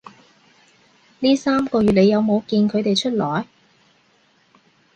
呢三個月你有冇見佢哋出來